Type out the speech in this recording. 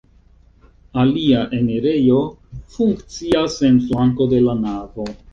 Alia enirejo funkcias en flanko de la navo.